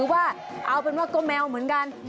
ว่าเอาเป็นว่าก็แมวเหมือนกัน